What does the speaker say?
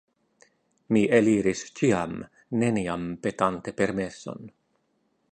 Mi eliris ĉiam, neniam petante permeson.